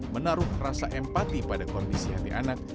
menaruh rasa empati pada kondisi hati anak